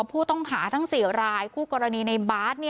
ผู้ต้องหาทั้ง๔รายคู่กรณีในบาร์ด